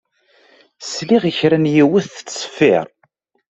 Sliɣ i kra n yiwet tettṣeffiṛ.